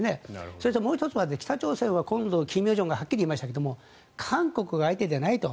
それともう１つは北朝鮮は今度、金与正がはっきり言いましたけど韓国が相手じゃないと。